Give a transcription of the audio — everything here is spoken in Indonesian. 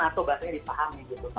atau bahasanya dipahami gitu